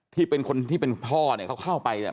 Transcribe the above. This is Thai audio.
ที่เป็นคนที่เป็นพ่อเนี่ยเขาเข้าไปเนี่ย